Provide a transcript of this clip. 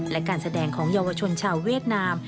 และการแสดงของเยาวชนชาวเวียดนาม